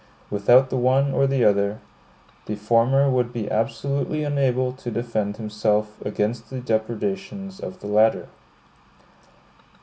Without the one or the other, the former would be absolutely unable to defend himself against the depredations of the latter.